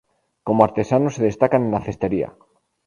Como artesanos se destacan en la cestería.